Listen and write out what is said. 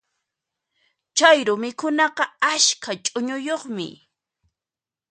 Chayru mikhunaqa askha ch'uñuyuqmi.